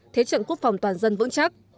thế trận quốc phòng toàn dân vững chắc